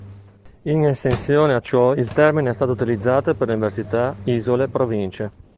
In estensione a ciò il termine è stato utilizzato per università, isole, province.